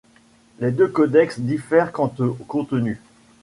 Les deux codex diffèrent quant au contenu.